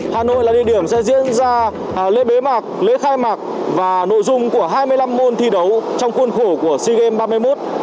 hà nội là địa điểm sẽ diễn ra lễ bế mạc lễ khai mạc và nội dung của hai mươi năm môn thi đấu trong khuôn khổ của sea games ba mươi một